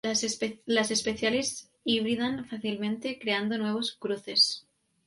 Las especies hibridan fácilmente creando nuevos cruces.